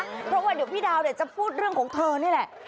เพราะว่าเดี๋ยวพี่ดาวจะพูดเรื่องของเธอนี่แหละ